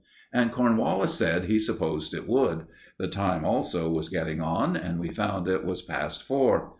And Cornwallis said he supposed it would. The time also was getting on, and we found it was past four.